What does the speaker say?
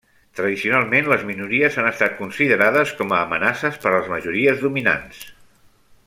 Tradicionalment, les minories han estat considerades com a amenaces per les majories dominants.